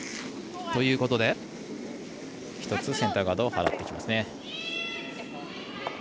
ということで１つセンターガードを払ってきますね。